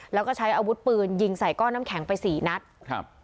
แล้วก็ใช้อาวุธปืนยิงใส่ก้อนน้ำแข็งไปสี่นัดครับ